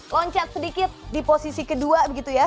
loncat sedikit di posisi kedua begitu ya